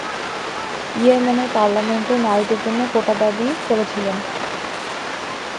ইয়েমেনের পার্লামেন্টে নারীদের জন্য কোটা দাবি করেছিলেন।